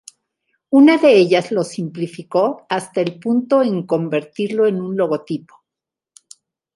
Una de ellas lo simplificó hasta el punto en convertirlo en un logotipo.